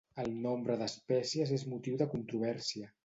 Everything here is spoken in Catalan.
El nombre d'espècies és motiu de controvèrsia.